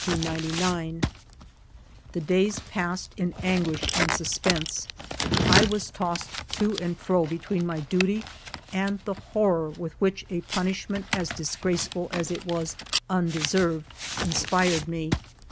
30 FIVE YEARS OF MY LIFE The days passed in anguish and suspense ; I was tossed to and fro between my duty and the horror with which a punishment as disgraceful as it was undeserved inspired me.